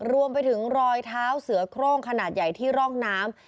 รวมไปถึงรอยเท้าเสือโครงขนาดใหญ่ที่ร่องน้ำ